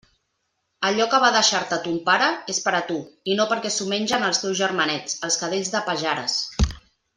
Allò que va deixar-te ton pare és per a tu, i no perquè s'ho mengen els teus germanets, els cadells de Pajares.